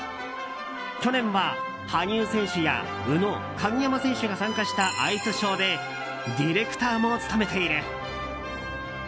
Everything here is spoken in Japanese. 去年は羽生選手や宇野、鍵山選手が参加したアイスショーでディレクターも務めている。